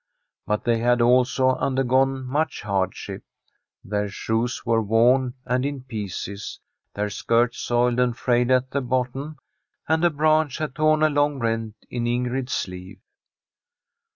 But they had also undercfone much hardship. Their shoes were worn and in pieces, their skirts soiled and frayed at the bottom^ and a branch had torn a long rent in Ingrid's sleeve.